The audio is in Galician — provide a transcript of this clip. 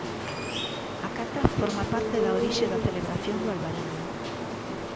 A cata forma parte da orixe da celebración do Albariño.